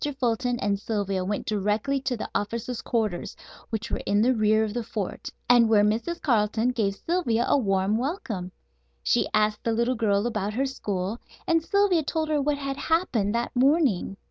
Fulton and Sylvia went directly to the officer's quarters, which were in the rear of the fort, and where Mrs. Carleton gave Sylvia a warm welcome. She asked the little girl about her school and Sylvia told her what had happened that morning.